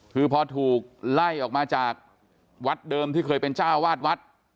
คือพอถูกไล่ออกมาจากวัดเดิมที่เคยเป็นเจ้าวาดวัด